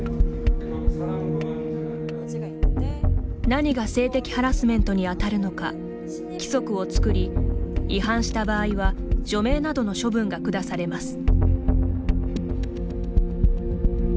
何が性的ハラスメントに当たるのか、規則を作り違反した場合は除名などの処分が下されます。